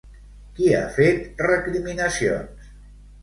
Qui ha fet recriminacions?